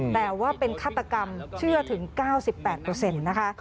แต่ว่าเป็นฆาตกรรมเชื่อถึง๙๘นะคะ